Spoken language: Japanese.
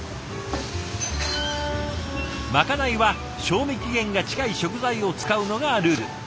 まかないは賞味期限が近い食材を使うのがルール。